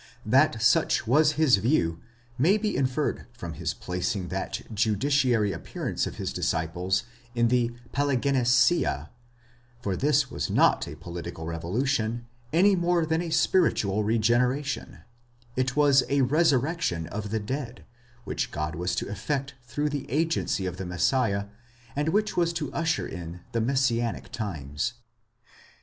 That such was his view may be inferred from his placing that judiciary appearance of his disciples in the παλιγγενεσία ; for this was not a political revolution, any more than a spiritual regeneration,—it was a resurrection of the dead, which God was to effect through the agency of the Messiah, and which was to usher in the messianic times.